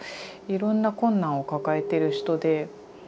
いろんな困難を抱えてる人で。